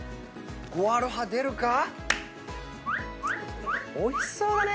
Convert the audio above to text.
５アロハ出るか⁉おいしそうだね。